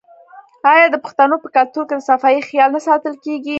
آیا د پښتنو په کلتور کې د صفايي خیال نه ساتل کیږي؟